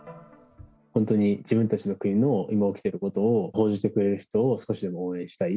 本当に自分たちの国の今、起きていることを報じてくれる人を少しでも応援したい。